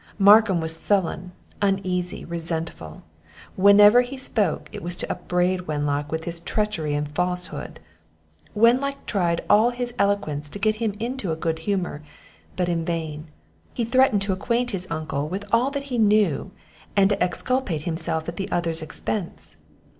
Markham was sullen, uneasy, resentful; whenever he spoke, it was to upbraid Wenlock with his treachery and falsehood. Wenlock tried all his eloquence to get him into a good humour, but in vain; he threatened to acquaint his uncle with all that he knew, and to exculpate himself at the other's expence.